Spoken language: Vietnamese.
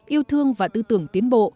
yêu thương và tư tưởng tiến bộ